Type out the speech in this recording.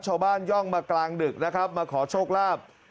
ย่องมากลางดึกนะครับมาขอโชคลาภ